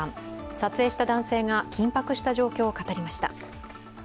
撮影した男性が緊迫した状況を語りました。